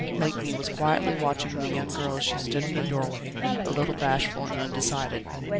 Blakeney was quietly watching the young girl as she stood in the doorway, a little bashful and undecided.